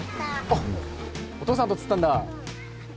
あっお父さんと釣ったんだ。